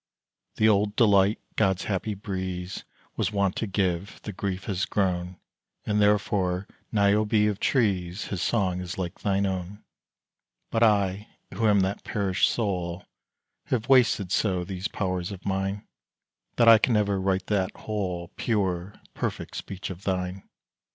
The old delight God's happy breeze Was wont to give, to Grief has grown; And therefore, Niobe of trees, His song is like thine own! But I, who am that perished soul, Have wasted so these powers of mine, That I can never write that whole, Pure, perfect speech of thine.